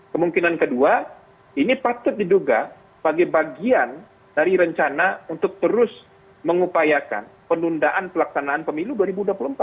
kemungkinan kedua ini patut diduga sebagai bagian dari rencana untuk terus mengupayakan penundaan pelaksanaan pemilu dua ribu dua puluh empat